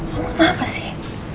lalu kenapa sih